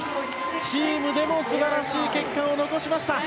チームでも素晴らしい結果を残しました！